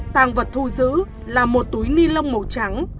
tàng vật thu giữ là một túi ni lông màu trắng